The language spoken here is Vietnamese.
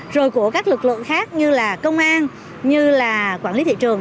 rồi của các lực lượng khác như là công an như là quản lý thị trường